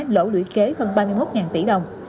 lỗ lưỡi kế hơn ba mươi một tỷ đồng